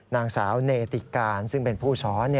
นางสาวเนติการซึ่งเป็นผู้สอน